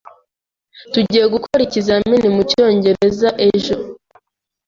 Tugiye gukora ikizamini mucyongereza ejo.